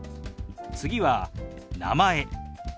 次は「名前」。